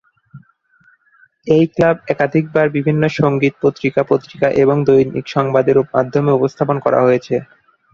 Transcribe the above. এই "ক্লাব" একাধিকবার বিভিন্ন সঙ্গীত পত্রিকা, পত্রিকা এবং দৈনিক সংবাদের মাধ্যমে উপস্থাপন করা হয়েছে।